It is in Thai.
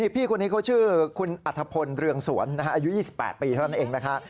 พี่คนนี้เขาชื่อของคุณอรรถพลเรืองสวนอายุ๒๘ปีเท่านั้นแหละ